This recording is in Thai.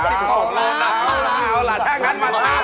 เอาล่ะแท่งกันมา